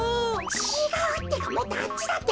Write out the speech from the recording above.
ちがうってかもっとあっちだってか。